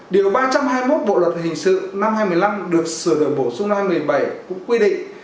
điều ba trăm hai mươi một bộ luật hình sự năm hai nghìn một mươi năm được sửa đổi bổ sung ra một mươi bảy cũng quy định